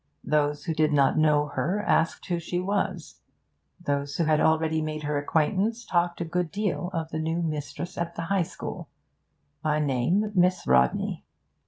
Those who did not know her asked who she was; those who had already made her acquaintance talked a good deal of the new mistress at the High School, by name Miss Rodney.